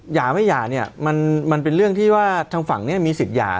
อย่าไม่หย่าเนี่ยมันเป็นเรื่องที่ว่าทางฝั่งนี้มีสิทธิหย่า